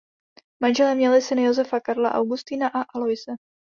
Manželé měli syny Josefa Karla Augustina a Aloise.